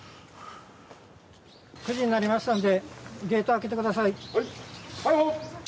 ９時になりましたのでゲートを開けてください。